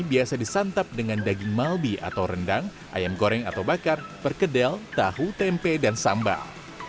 biasa disantap dengan daging malbi atau rendang ayam goreng atau bakar perkedel tahu tempe dan sambal